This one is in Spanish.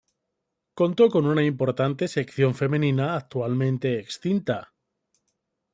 Contó con una importante sección femenina actualmente extinta.